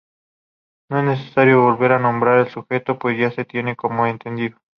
No es necesario volver a nombrar el sujeto, pues ya se tiene como entendido.